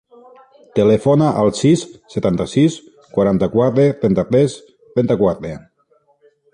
Telefona al sis, setanta-sis, quaranta-quatre, trenta-tres, trenta-quatre.